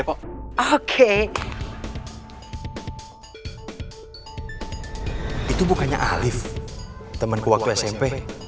oke itu bukannya alif teman kuak smp